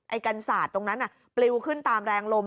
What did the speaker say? ไอ้กันศาสตร์ตรงนั้นน่ะปลิวขึ้นตามแรงลม